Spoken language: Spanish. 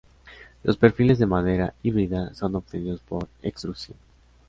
Los perfiles de madera híbrida, son obtenidos por extrusión.